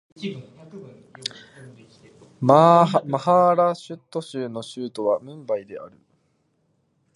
マハーラーシュトラ州の州都はムンバイである